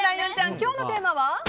今日のテーマは？